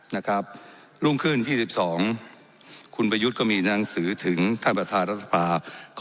นะครับรุ่งขึ้นที่๑๒คุณประยุทธ์ก็มีหนังสือถึงท่านประธานรัฐสภา